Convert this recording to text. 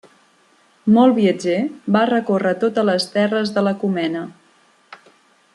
Molt viatger, va recórrer totes les terres de l'Ecumene.